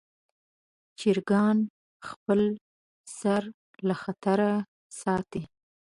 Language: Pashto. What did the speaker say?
چرګان خپل سر له خطره ساتي.